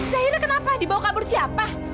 zahira kenapa dibawa kabur siapa